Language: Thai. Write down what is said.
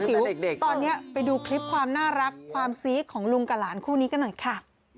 ตอนนี้ไปดูคลิปความน่ารักความซี้ของลุงกับหลานคู่นี้กันหน่อยค่ะ